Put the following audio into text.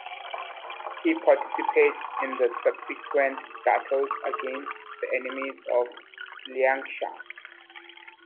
He participates in the subsequent battles against the enemies of Liangshan.